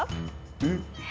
えっ？